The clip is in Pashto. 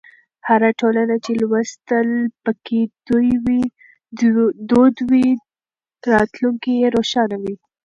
هره ټولنه چې لوستل پکې دود وي، راتلونکی یې روښانه وي.